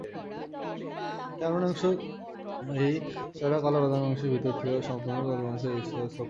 Term end অংশে এই চওড়া কালচে বাদামী অংশের ভিতরের দিকে কিছু অসম্পূর্ণ কালচে বাদামী ডিসকাল ছোপের একটি তীর্যক সারি বিদ্যমান।